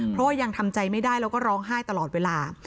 เพราะว่ายังทำใจไม่ได้แล้วก็ร้องไห้ตลอดเวลา